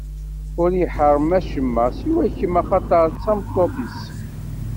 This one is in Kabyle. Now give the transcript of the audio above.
Ur y-iḥeṛṛem acemma, siwa kemm, axaṭer d tameṭṭut-is.